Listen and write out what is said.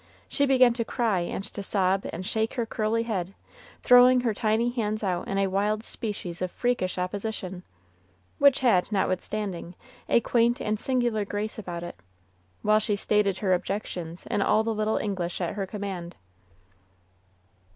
She began to cry and to sob and shake her curly head, throwing her tiny hands out in a wild species of freakish opposition, which had, notwithstanding, a quaint and singular grace about it, while she stated her objections in all the little English at her command.